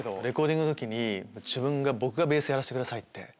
レコーディングの時に自分が「僕がベースやらせてください」って。